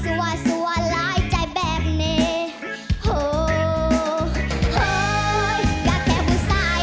สิไปทางได้กล้าไปน้องบ่ได้สนของพ่อสำนี